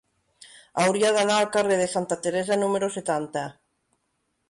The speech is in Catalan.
Hauria d'anar al carrer de Santa Teresa número setanta.